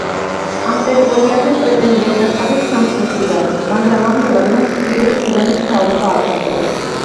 ამ ტერიტორიაზე პრეტენზიას აცხადებს სამხრეთი სუდანი, მაგრამ ამჟამად მას ჩრდილოეთ სუდანის მთავრობა აკონტროლებს.